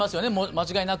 間違いなく。